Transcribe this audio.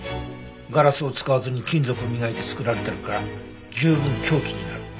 ガラスを使わずに金属を磨いて作られてるから十分凶器になる。